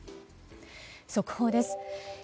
速報です。